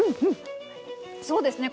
そうですね